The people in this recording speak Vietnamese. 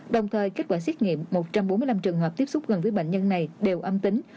đồng thời kết quả xét nghiệm một trăm bốn mươi năm trường hợp tiếp xúc gần với bệnh nhân này đều âm tính